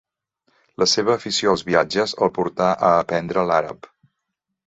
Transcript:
La seva afició als viatges el portà a aprendre l'àrab.